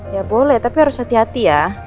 ya boleh tapi harus hati hati ya